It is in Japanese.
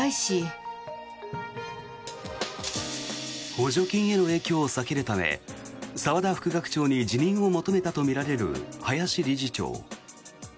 補助金への影響を避けるため澤田副学長に辞任を求めたとみられる林理事長。